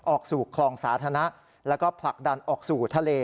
ออกสู่คลองสาธารณะแล้วก็ผลักดันออกสู่ทะเล